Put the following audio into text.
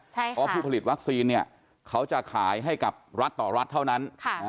เพราะผู้ผลิตวัคซีนเขาจะขายให้กับรัฐต่อรัฐเท่านั้น